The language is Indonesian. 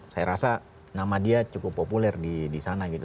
saya rasa nama dia cukup populer disana gitu